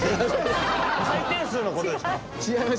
回転数のことですか？